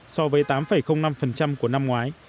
so với tám năm của năm ngoái